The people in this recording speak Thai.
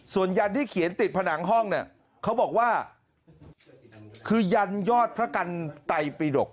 ส่วนยันที่เขียนติดผนังห้องเนี่ยเขาบอกว่าคือยันยอดพระกันไตปีดก